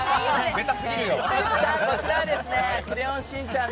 こちら「クレヨンしんちゃん」